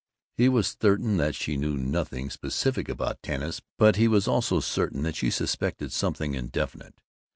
He was certain that she knew nothing specific about Tanis, but he was also certain that she suspected something indefinite.